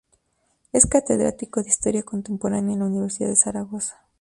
Es catedrático de Historia Contemporánea en la Universidad de Zaragoza.